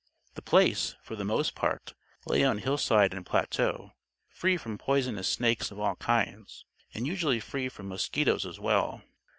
The Place, for the most part, lay on hillside and plateau, free from poisonous snakes of all kinds, and usually free from mosquitoes as well.